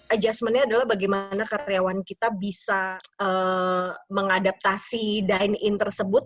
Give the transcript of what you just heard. adjustmentnya adalah bagaimana karyawan kita bisa mengadaptasi dine in tersebut